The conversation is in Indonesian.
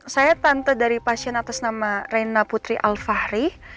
saya tante dari pasien atas nama reina putri alfahri